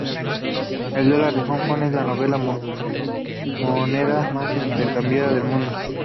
El dólar de Hong Kong es la novena moneda más intercambiada del mundo.